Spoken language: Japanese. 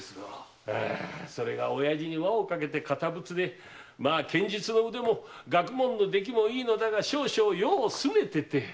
それが親父に輪をかけて堅物で剣術の腕も学問のできもいいのだが少々世を拗ねてて。